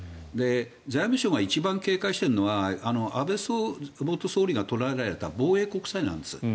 財務省が一番警戒しているのは安倍元総理が取られた防衛国債なんです。